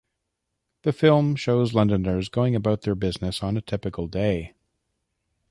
The film shows Londoners going about their business on a typical day.